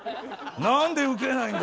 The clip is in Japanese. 何でウケないんだぜ。